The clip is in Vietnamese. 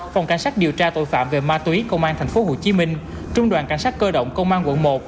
phòng cảnh sát điều tra tội phạm về ma túy công an thành phố hồ chí minh trung đoàn cảnh sát cơ động công an quận một